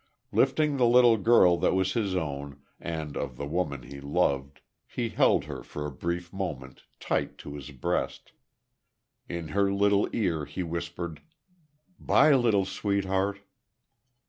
Lifting the little girl that was his own, and of the woman he loved, he held her for a brief moment tight to his breast. In her little ear he whispered: "Bye, little sweetheart."